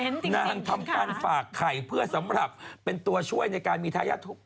นางทำการฝากไข่เพื่อสำหรับเป็นตัวช่วยในการมีทายาท